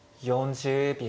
４０秒。